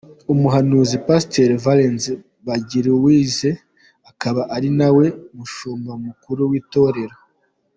Umuhanuzi Pasiteri Valens Bagiruwigize akaba ari nawe mushumba mukuru w’itorero